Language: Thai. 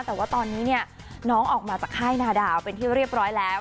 แต่ว่าตอนนี้เนี่ยน้องออกมาจากค่ายนาดาวเป็นที่เรียบร้อยแล้ว